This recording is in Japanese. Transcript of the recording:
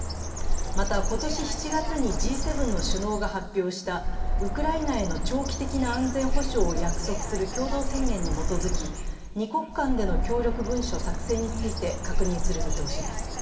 また今年７月にＧ７の首脳が発表したウクライナへの長期的な安全保障を約束する共同宣言に基づき、二国間での協力文書作成について確認する見通しです。